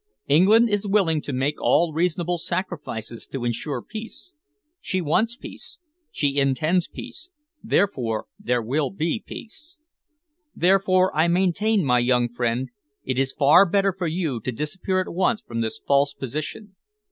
England is willing to make all reasonable sacrifices to ensure peace. She wants peace, she intends peace, therefore there will be peace. Therefore, I maintain, my young friend, it is far better for you to disappear at once from this false position."